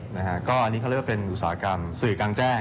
นะครับก็อันนี้เขาเลือกเป็นอุตสาหกรรมสื่อการแจ้ง